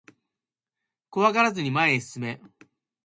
怖がらずに前へ進め